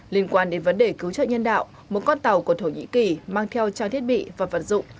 liên quan đến vấn đề cứu trợ nhân đạo một con tàu của thổ nhĩ kỳ mang theo trang thiết bị và vật dụng